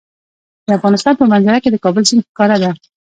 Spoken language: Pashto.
د افغانستان په منظره کې د کابل سیند ښکاره ده.